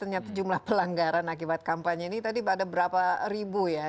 ternyata jumlah pelanggaran akibat kampanye ini tadi ada berapa ribu ya